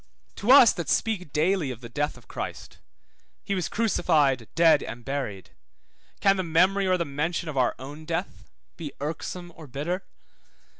To us that speak daily of the death of Christ (he was crucified, dead, and buried), can the memory or the mention of our own death be irksome or bitter?